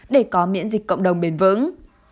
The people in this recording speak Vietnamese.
để có miễn dịch cộng đồng bền vững